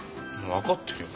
分かってるよ。